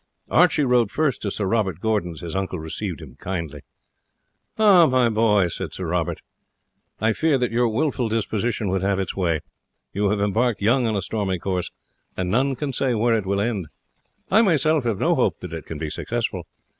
Archie rode first to Sir Robert Gordon's. His uncle received him kindly. "Ah! my boy," he said, "I feared that your wilful disposition would have its way. You have embarked young on a stormy course, and none can say where it will end. I myself have no hope that it can be successful.